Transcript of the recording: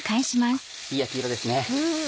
いい焼き色ですね。